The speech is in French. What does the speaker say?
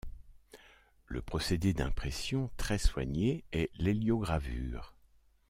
Le procédé d'impression, très soigné, est l'héliogravure.